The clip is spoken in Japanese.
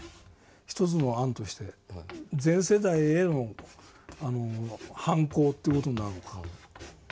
一つの案として前世代への反抗って事になるのかも。